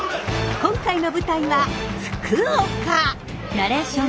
今回の舞台は福岡！